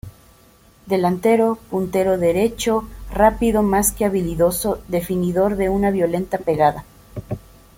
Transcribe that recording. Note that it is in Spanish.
Delantero, puntero derecho rápido más que habilidoso, definidor de una violenta pegada.